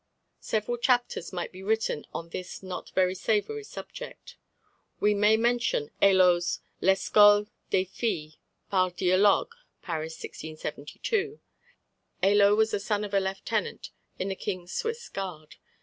Several chapters might be written on this not very savoury subject. We may mention Hélot's L'Escole des Filles, par dialogues (Paris, 1672, in 12). Hélot was the son of a lieutenant in the King's Swiss Guard.